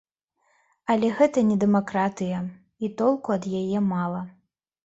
Але гэта не дэмакратыя і толку ад яе мала.